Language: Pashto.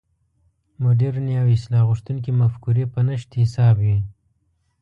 مډرنې او اصلاح غوښتونکې مفکورې په نشت حساب وې.